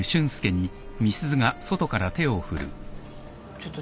ちょっと。